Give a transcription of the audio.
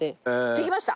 できました。